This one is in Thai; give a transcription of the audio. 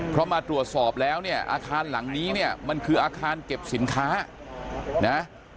เพราะมาตรวจสอบแล้วเนี่ยอาคารหลังนี้เนี่ยมันคืออาคารเก็บสินค้านะ